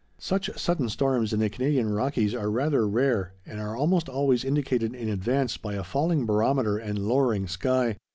Such sudden storms in the Canadian Rockies are rather rare, and are almost always indicated in advance by a falling barometer and lowering sky.